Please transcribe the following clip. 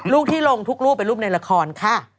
รูปที่ลงทุกรูปเป็นรูปในละครค่ะ